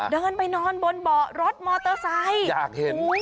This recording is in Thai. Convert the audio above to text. เดินไปนอนบนเบาะรถมอเตอร์ไซค์อยากเห็น